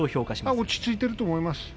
落ち着いていると思います。